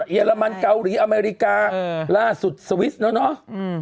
เรมันเกาหลีอเมริกาล่าสุดสวิสต์แล้วเนาะ